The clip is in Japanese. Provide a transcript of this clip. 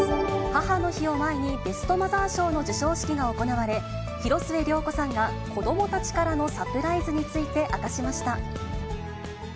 母の日を前に、ベストマザー賞の授賞式が行われ、広末涼子さんが子どもたちからのサプライズについて、明かしました。